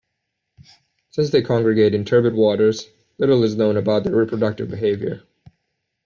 Since they congregate in turbid waters, little is known about their reproductive behavior.